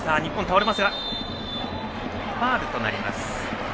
ファウルとなります。